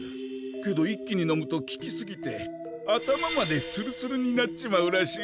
けど一気に飲むと効きすぎて頭までつるつるになっちまうらしい！